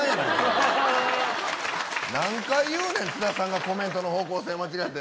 何回言うねん、津田さんのコメントの方向性間違えて。